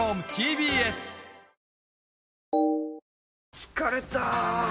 疲れた！